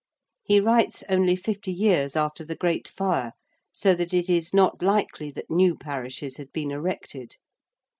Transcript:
He writes only fifty years after the Great Fire, so that it is not likely that new parishes had been erected.